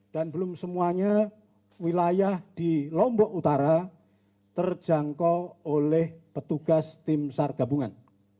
dan belum semuanya wilayah di lombok utara terjangkau oleh petugas tim sar gabungan